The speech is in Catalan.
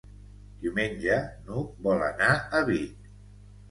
Diumenge n'Hug vol anar a Vic.